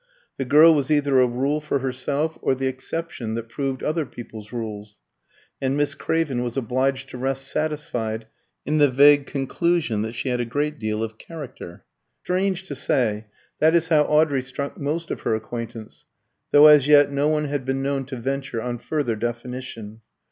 The girl was either a rule for herself, or the exception that proved other people's rules; and Miss Craven was obliged to rest satisfied in the vague conclusion that she had a great deal of "character." Strange to say, that is how Audrey struck most of her acquaintance, though as yet no one had been known to venture on further definition.